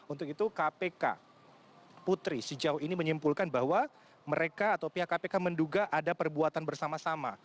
untuk itu kpk putri sejauh ini menyimpulkan bahwa mereka atau pihak kpk menduga ada perbuatan bersama sama